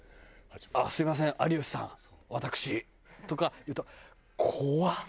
「ああすみません有吉さん私」とか言うと。